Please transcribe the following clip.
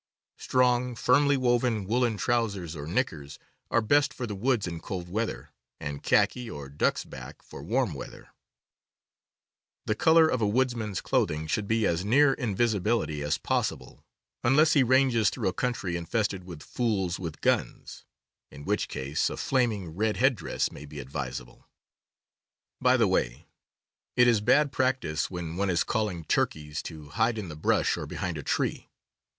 Strong, firmly woven woolen trou sers or knickers are best for the woods in cold weather, and khaki or duxbak for warm weather. THE SPORTSMAN'S CLOTHING 15 The color of a woodsman's clothing should be as near inTisibility as possible — unless he ranges through a country infested with fools with guns, in which case a flaming red head dress may be advisable. By the way, it is bad practice when one is calling turkeys to hide in the brush or behind a tree.